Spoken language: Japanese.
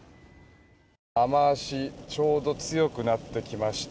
雨脚ちょうど強くなってきました。